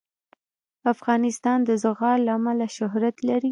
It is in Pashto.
افغانستان د زغال له امله شهرت لري.